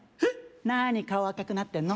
なに顔赤くなってんの？